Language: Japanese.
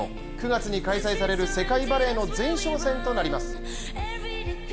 ９月に開催される世界バレーの前哨戦となります。